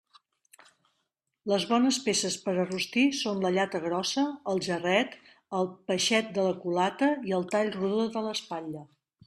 Les bones peces per a rostir són la llata grossa, el jarret, el peixet de la culata i el tall rodó de l'espatlla.